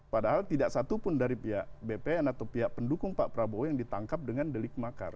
padahal tidak satupun dari pihak bpn atau pihak pendukung pak prabowo yang ditangkap dengan delik makar